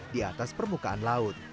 di atas permukaan laut